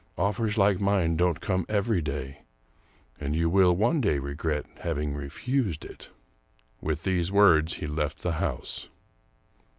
Offers like mine don't come every day, and you will one day regret having refused it." With these words he left the house.